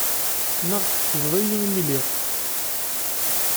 Neɣ tḥesdeḍ-iyi imi i lhiɣ?